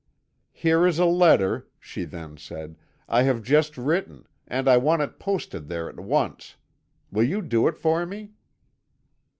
"'Here is a letter,' she then said, 'I have just written, and I want it posted there at once. Will you do it for me?'